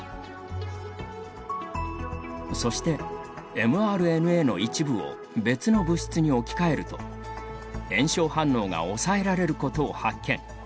そしてｍＲＮＡの一部を別の物質に置き換えると炎症反応が抑えられることを発見。